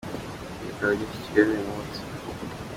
Perezida wajyeze I Kigali uyumutsi